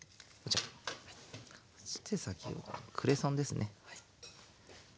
そして先ほどのクレソンですね。